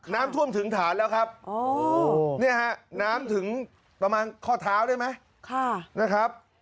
น้ำท่วมถึงฐานแล้วครับเนี่ยฮะน้ำถึงประมาณข้อเท้าได้ไหมนะครับ